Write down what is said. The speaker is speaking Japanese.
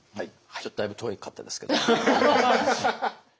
ちょっとだいぶ遠かったですけど。